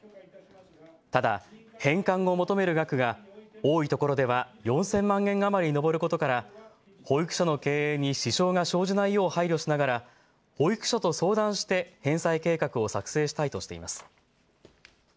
ただ返還を求める額が多いところでは４０００万円余りに上ることから保育所の経営に支障が生じないよう配慮しながら保育所と相談して返済計画を作成したいとしています。